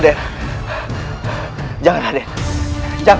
kau tidak mau melawanku